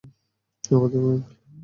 আর দেব না, আংকেল।